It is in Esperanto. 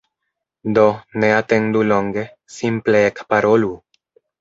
Do, ne atendu longe, simple Ekparolu!